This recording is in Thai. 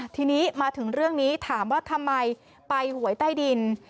ทีนี้มาถึงเรื่องนี้ถามว่าทำไมไปหวยใต้ดิน